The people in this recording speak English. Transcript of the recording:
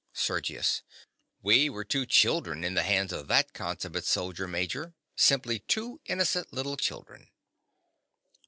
SERGIUS. We were two children in the hands of that consummate soldier, Major: simply two innocent little children.